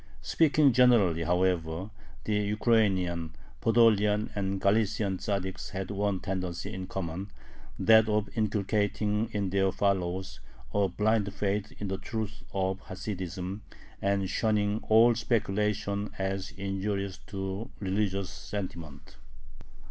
Speaking generally, however, the Ukrainian, Podolian, and Galician Tzaddiks had one tendency in common, that of inculcating in their followers a blind faith in the truths of Hasidism and shunning all "speculation" as injurious to religious sentiment.